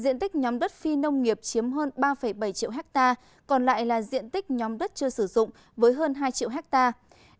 diện tích nhóm đất phi nông nghiệp chiếm hơn ba bảy triệu hectare còn lại là diện tích nhóm đất chưa sử dụng với hơn hai triệu hectare